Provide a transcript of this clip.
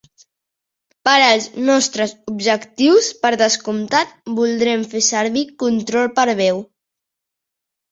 Per als nostres objectius, per descomptat, voldrem fer servir control per veu.